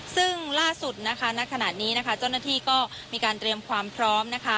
ซึ่งล่าสุดนะคะณขณะนี้นะคะเจ้าหน้าที่ก็มีการเตรียมความพร้อมนะคะ